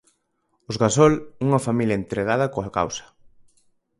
Os Gasol, unha familia entregada coa causa.